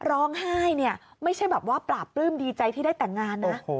ร้องไห้เนี่ยไม่ใช่แบบว่าปราบปลื้มดีใจที่ได้แต่งงานนะ